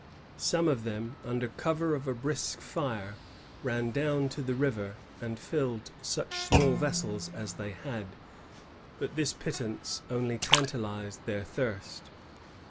Some of them^ under cover of a brisk fire, ran down to the river and filled such small vessels as they had; but this pittance only tantalized their thirst.